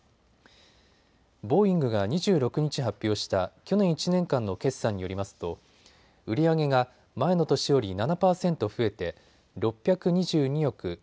ボーイングが２６日発表した去年１年間の決算によりますと売り上げが前の年より７％増えて６２２億８６００万